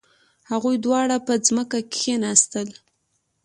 هغوی دواړه په ځمکه کښیناستل.